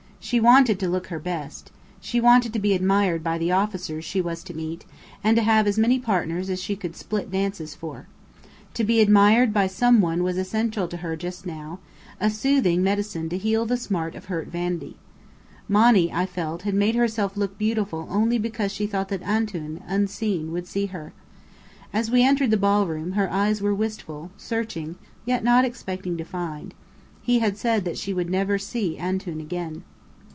She wanted to look her best. She wanted to be admired by the officers she was to meet, and to have as many partners as she could split dances for. To be admired by some one was essential to her just now, a soothing medicine to heal the smart of hurt vanity. Monny, I felt, had made herself look beautiful only because she thought that Antoun, unseen, would see her. As we entered the ballroom, her eyes were wistful, searching, yet not expecting to find. He had said that she would never see Antoun again.